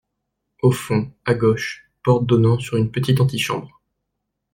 Au fond, à gauche, porte donnant sur une petite anti-chambre.